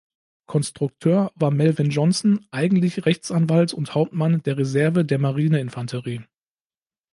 Konstrukteur war Melvin Johnson, eigentlich Rechtsanwalt und Hauptmann der Reserve der Marine-Infanterie.